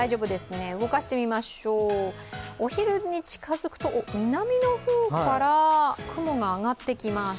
動かしてみましょう、お昼に近づくと南の方から雲が上がってきます。